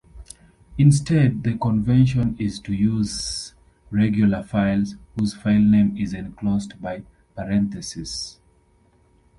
Instead, the convention is to use regular files whose filename is enclosed by parentheses.